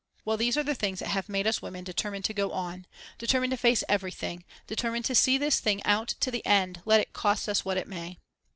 "Well, these are the things that have made us women determined to go on, determined to face everything, determined to see this thing out to the end, let it cost us what it may.